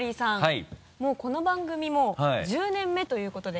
もうこの番組も１０年目ということで。